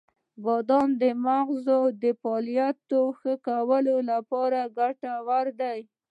• بادام د مغزو د فعالیت ښه کولو لپاره ګټور دی.